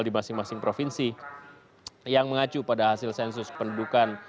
di masing masing provinsi yang mengacu pada hasil sensus pendudukan